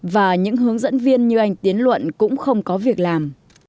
và những hướng dẫn viên như anh tiến luận cũng không có việc làm